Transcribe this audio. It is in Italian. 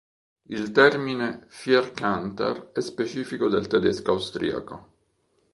Il termine Vierkanter è specifico del tedesco austriaco.